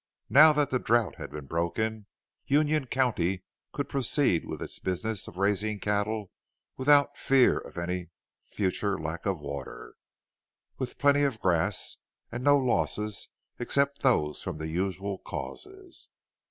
Now that the drought had been broken, Union County could proceed with its business of raising cattle without fear of any future lack of water, with plenty of grass, and no losses except those from the usual causes.